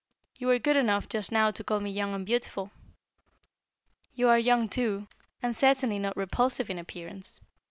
You were good enough just now to call me young and beautiful. You are young too, and certainly not repulsive in appearance.